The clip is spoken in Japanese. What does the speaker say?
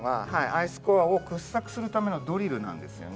アイスコアを掘削するためのドリルなんですよね。